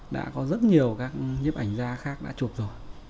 đã có rất nhiều các nhếp ảnh ra khác đã chụp rồi